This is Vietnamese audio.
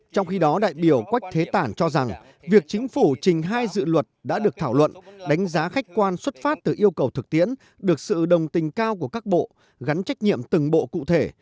trong khi đó đại biểu quách thế tản cho rằng việc chính phủ trình hai dự luật đã được thảo luận đánh giá khách quan xuất phát từ yêu cầu thực tiễn được sự đồng tình cao của các bộ gắn trách nhiệm từng bộ cụ thể